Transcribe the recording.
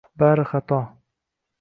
bari xato.